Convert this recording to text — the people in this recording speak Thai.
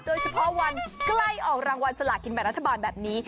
โดยเฉพาะวันใกล้ออกรางวัลสลากินแบ่งรัฐบาลแบบนี้